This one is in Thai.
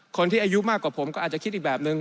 คนที่อายุมากกว่าผมก็อาจจะคิดอีกแบบนึง